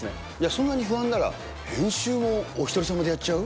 そんなに不安なら、編集もおひとり様でやっちゃう？